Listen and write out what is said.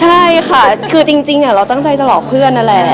ใช่ค่ะคือจริงเราตั้งใจจะหลอกเพื่อนนั่นแหละ